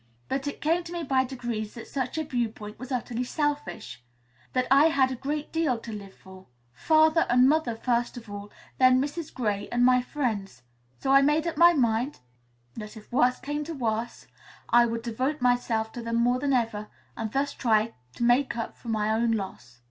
But it came to me by degrees that such a viewpoint was utterly selfish; that I had a great deal to live for. Father and Mother, first of all; then Mrs. Gray and my friends. So I made up my mind that if worse came to worst, I would devote myself to them more than ever and thus try to make up for my own loss."